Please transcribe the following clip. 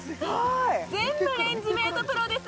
全部レンジメートプロです